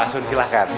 asun silahkan ya